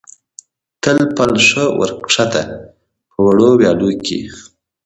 تر پل ښه ور کښته، په وړو ویالو کې.